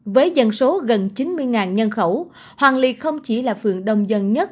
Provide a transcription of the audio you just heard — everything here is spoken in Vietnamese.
với dân số gần chín mươi nhân khẩu hoàng liệt không chỉ là phường đông dân nhất